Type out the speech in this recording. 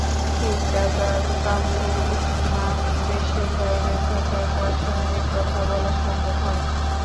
ঠিকাদার কামরুল ইসলাম দেশের বাইরে থাকায় তাঁর সঙ্গে কথা বলা সম্ভব হয়নি।